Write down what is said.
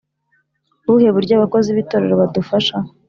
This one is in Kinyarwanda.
Buhe buryo abakozi b itorero badufasha